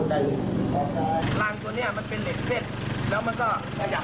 น่าจะทับเต็มตัวแล้วมาช่วยมันลุกออกแต่ไม่รู้ว่ามันทับนานหรืออย่าง